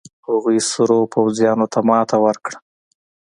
هغوې سرو پوځيانو ته ماتې ورکړه.